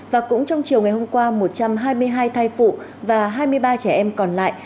và cũng trong chiều ngày hôm qua một trăm hai mươi hai thai phụ và hai mươi ba trẻ em còn lại